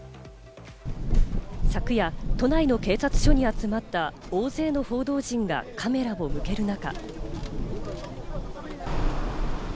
昨夜、都内の警察署に集まった大勢の報道陣がカメラを向ける中。